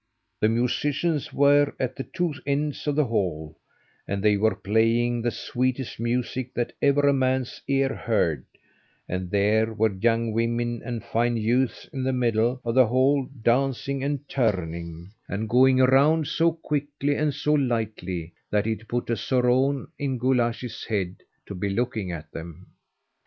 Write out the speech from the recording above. The musicians were at the two ends of the hall, and they were playing the sweetest music that ever a man's ear heard, and there were young women and fine youths in the middle of the hall, dancing and turning, and going round so quickly and so lightly, that it put a soorawn in Guleesh's head to be looking at them.